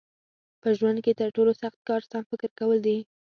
په ژوند کې تر ټولو سخت کار سم فکر کول دي.